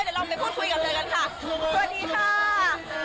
เดี๋ยวเราไปพูดคุยกับเธอกันค่ะ